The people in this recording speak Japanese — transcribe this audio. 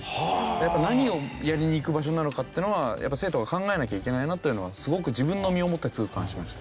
やっぱ何をやりに行く場所なのかっていうのは生徒が考えなきゃいけないなっていうのはすごく自分の身をもって痛感しました。